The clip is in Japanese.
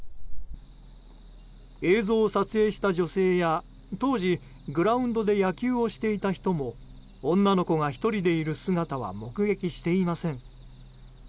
映像を撮影した女性や当時、グラウンドで野球をしていた人も女の子が１人でいる姿は目撃していません。